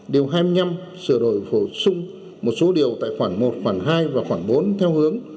điều hai mươi năm sửa đổi bổ sung một số điều tại khoản một khoản hai và khoảng bốn theo hướng